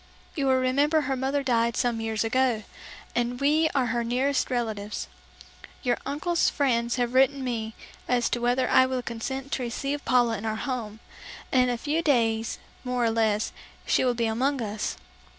You will remember, her mother died some years ago, and we are her nearest relatives. Your uncle's friends have written me as to whether I will consent to receive Paula in our home, and in a few days, more or less, she will be among us."